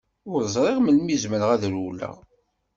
Ur ẓriɣ melmi zemreɣ ad rewleɣ.